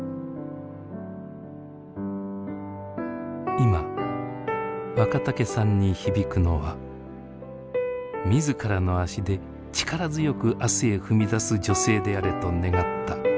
今若竹さんに響くのは自らの足で力強く明日へ踏み出す女性であれと願った